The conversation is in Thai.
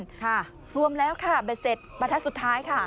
ค่ะรวมแล้วค่ะเบ็ดเสร็จประทัดสุดท้ายค่ะ